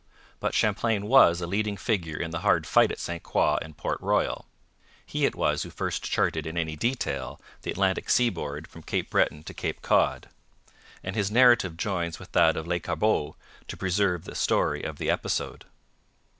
But Champlain was a leading figure in the hard fight at St Croix and Port Royal; he it was who first charted in any detail the Atlantic seaboard from Cape Breton to Cape Cod; and his narrative joins with that of Lescarbot to preserve the story of the episode.